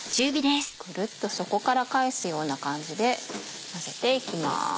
ぐるっと底から返すような感じで混ぜていきます。